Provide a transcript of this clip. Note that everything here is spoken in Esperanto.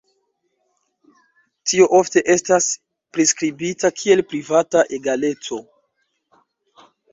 Tio ofte estas priskribita kiel privata egaleco.